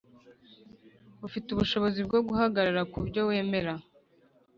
ufite ubushobozi bwo guhagarara ku byo wemera.